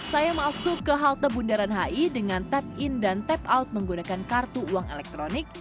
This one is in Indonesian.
saya masuk ke halte bundaran hi dengan tap in dan tap out menggunakan kartu uang elektronik